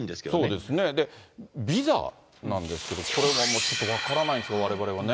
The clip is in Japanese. で、ビザなんですけど、これもちょっと分からないんですよ、われわれはね。